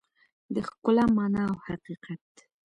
د ښکلا مانا او حقیقت